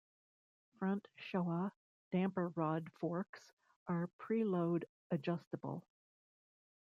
Front Showa damper-rod forks are preload adjustable.